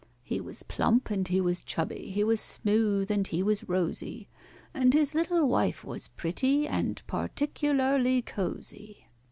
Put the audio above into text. He was plump and he was chubby, he was smooth and he was rosy, And his little wife was pretty and particularly cosy.